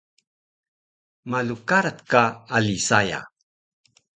Malu karac ka ali saya